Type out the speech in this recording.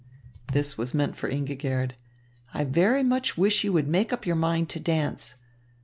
this was meant for Ingigerd "I very much wish you would make up your mind to dance.